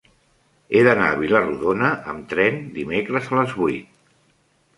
He d'anar a Vila-rodona amb tren dimecres a les vuit.